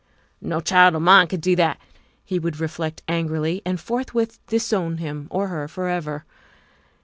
" No child of mine could do that," he would reflect angrily, and forthwith disown him or her forever.